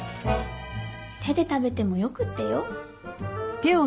手で食べてもよくってよ？